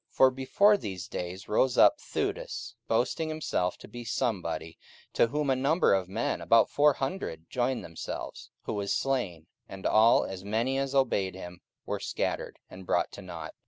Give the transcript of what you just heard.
44:005:036 For before these days rose up Theudas, boasting himself to be somebody; to whom a number of men, about four hundred, joined themselves: who was slain; and all, as many as obeyed him, were scattered, and brought to nought.